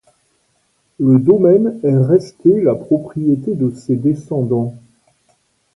Le domaine est resté la propriété de ses descendants.